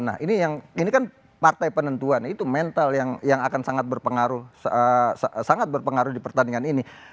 nah ini kan partai penentuan itu mental yang akan sangat berpengaruh sangat berpengaruh di pertandingan ini